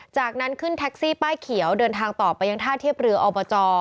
จากนั้นขึ้นแท็กซี่ป้ายเขียวเดินทางต่อไปยังท่าเทียบเรืออบจ